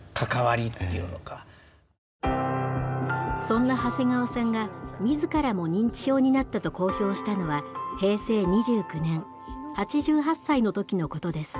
そんな長谷川さんが自らも認知症になったと公表したのは平成２９年８８歳の時のことです。